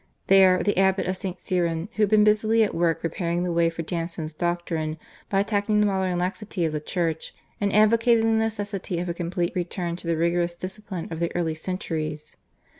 There, the Abbot of St. Cyran had been busily at work preparing the way for Jansen's doctrine, by attacking the modern laxity of the Church, and advocating the necessity of a complete return to the rigorous discipline of the early centuries.